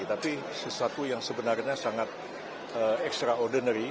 tapi sesuatu yang sebenarnya sangat extraordinary